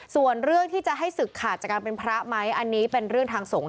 ส่วนเรื่องที่จะให้ศึกขาดจากการเป็นพระไหมอันนี้เป็นเรื่องทางสงฆ์